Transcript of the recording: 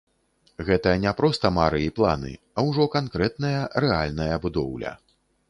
Гэта не проста мары і планы, а ўжо канкрэтная, рэальная будоўля.